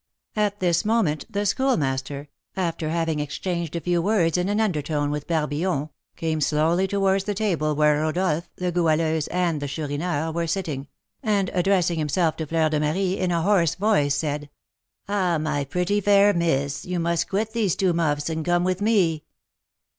At this moment the Schoolmaster, after having exchanged a few words in an undertone with Barbillon, came slowly towards the table where Rodolph, the Goualeuse, and the Chourineur were sitting, and addressing himself to Fleur de Marie, in a hoarse voice, said: "Ah, my pretty, fair miss, you must quit these two 'muffs,' and come with me."